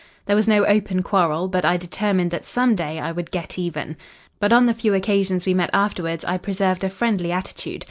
There was no open quarrel, but I determined that some day I would get even. But on the few occasions we met afterwards I preserved a friendly attitude.